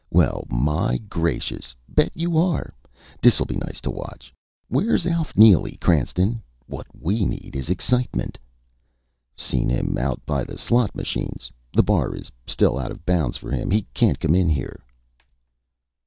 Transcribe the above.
Well my gracious bet you are! Dis'll be nice to watch!..." "Where's Alf Neely, Cranston? What we need is excitement." "Seen him out by the slot machines. The bar is still out of bounds for him. He can't come in here."